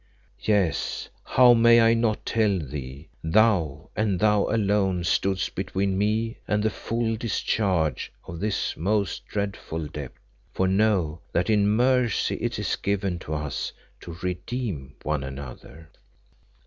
"Yes, how I may not tell thee, thou and thou alone stoodst between me and the full discharge of this most dreadful debt for know that in mercy it is given to us to redeem one another."